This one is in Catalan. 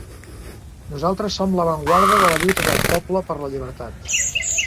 Nosaltres som l'avantguarda de la lluita del poble per la llibertat.